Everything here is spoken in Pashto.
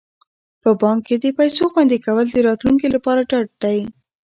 په بانک کې د پيسو خوندي کول د راتلونکي لپاره ډاډ دی.